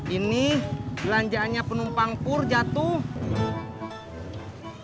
ini belanjaannya penumpang pur jatuh